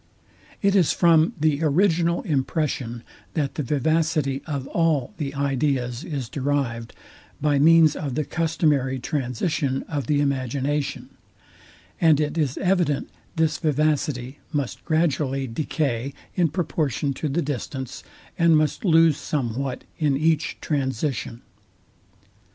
It is from the original impression, that the vivacity of all the ideas is derived, by means of the customary transition of the imagination; and it is evident this vivacity must gradually decay in proportion to the distance, and must lose somewhat in each transition.